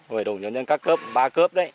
hồi đồng nhân dân các cấp ba cấp đấy